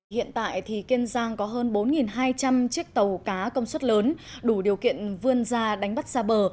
hiện tại thì kiên giang có hơn bốn hai trăm linh chiếc tàu cá công suất lớn đủ điều kiện vươn ra đánh bắt xa bờ